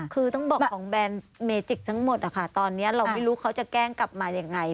คือต้องบอกของแบรนด์เมจิกทั้งหมดนะคะตอนนี้เราไม่รู้เขาจะแกล้งกลับมายังไง